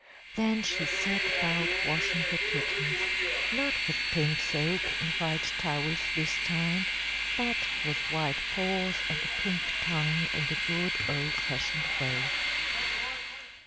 "Then she set about washing the kittens, not with pink soap and white towel this time, but with white paws and pink tongue in the good old fashioned way."